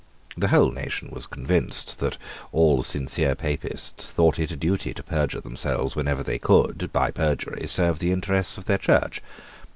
The whole nation was convinced that all sincere Papists thought it a duty to perjure themselves whenever they could, by perjury, serve the interests of their Church.